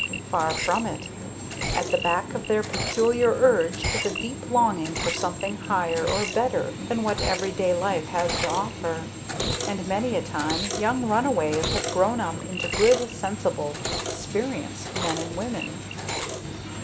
Far from it. At the back of their peculiar urge is a deep longing for something higher or better than what every day life has to offer, and many a time young runaways have grown up into good, sensible, experienced men and women.